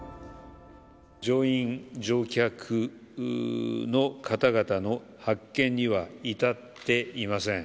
乗員・乗客の方々の発見には至っていません。